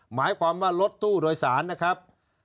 หมายความว่ารถตู้โดยสารนะครับ